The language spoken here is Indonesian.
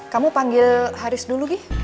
kamu panggil haris dulu gih